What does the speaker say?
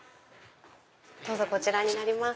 どうぞこちらになります。